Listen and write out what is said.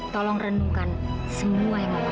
tolong renungkan semua yang mama katakan